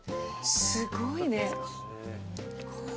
すごいね。